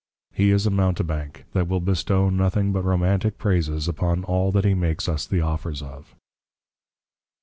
_ He is a Mountebank, that will bestow nothing but Romantic Praises upon all that he makes us the Offers of.